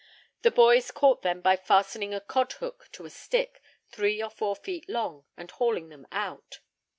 The boys caught them by fastening a cod hook to a stick, three or four feet long, and hauling them out.